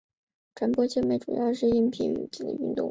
传播媒介主要是硬蜱属及其它带菌动物。